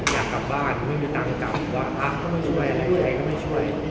อยากกลับบ้านไม่มีตังค์กลับก็ไม่ช่วยอะไรใครก็ไม่ช่วย